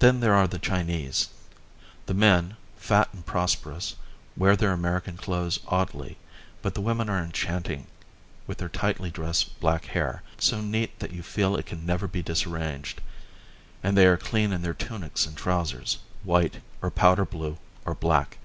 Then there are the Chinese. The men, fat and prosperous, wear their American clothes oddly, but the women are enchanting with their tightly dressed black hair, so neat that you feel it can never be disarranged, and they are very clean in their tunics and trousers, white, or powder blue, or black.